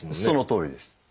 そのとおりです。